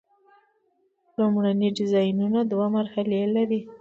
لومړني ډیزاینونه دوه مرحلې لري.